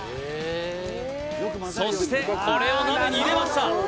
そしてこれを鍋に入れました